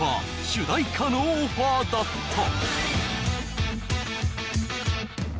主題歌のオファーだった。